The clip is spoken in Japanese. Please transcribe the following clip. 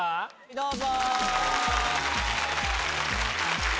どうぞ！